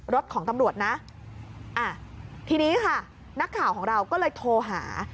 รถของตำรวจนะอ่ะทีนี้ค่ะนักข่าวของเราก็เลยโทรหา